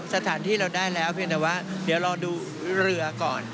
สถานที่เราได้แล้วเพียงแต่ว่าเดี๋ยวรอดูเรือก่อน